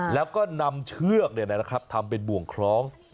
แล้วก็นำเชือกทำเป็นบ่วงคล้อง